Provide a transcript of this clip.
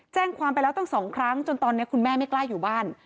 แจ้งความไปแล้วตั้ง๒ครั้งจนตอนนี้คุณแม่ไม่กล้าอยู่บ้าน